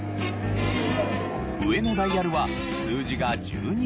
上のダイヤルは数字が１２まで。